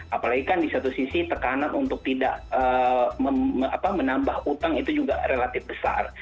apalagi kan di satu sisi tekanan untuk tidak menambah utang itu juga relatif besar